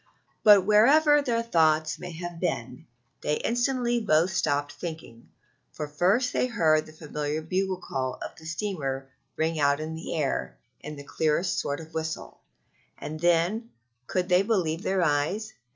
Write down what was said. But wherever their thoughts may have been, they instantly both stopped thinking, for first they heard the familiar bugle call of the steamer ring out on the air in the clearest sort of a whistle; and then could they believe their eyes?